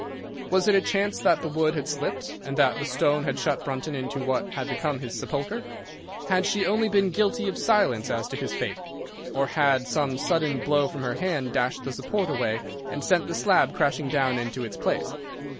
Was it a chance that the wood had slipped, and that the stone had shut Brunton into what had become his sepulchre? Had she only been guilty of silence as to his fate? Or had some sudden blow from her hand dashed the support away and sent the slab crashing down into its place?